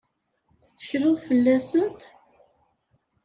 Tettekleḍ fell-asent?